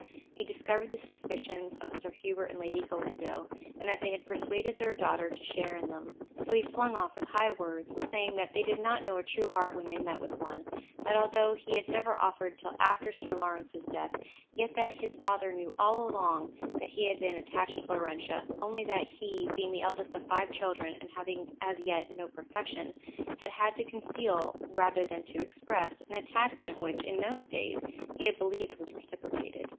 He discovered the suspicions of Sir Hubert and Lady Galindo, and that they had persuaded their daughter to share in them. So he flung off with high words, saying that they did not know a true heart when they met with one; and that although he had never offered till after Sir Lawrence's death, yet that his father knew all along that he had been attached to Laurentia, only that he, being the eldest of five children, and having as yet no profession, had had to conceal, rather than to express, an attachment, which, in those days, he had believed was reciprocated.